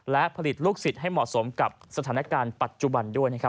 และผลิตลูกศิษย์ให้เหมาะสมกับสถานการณ์ปัจจุบันด้วยนะครับ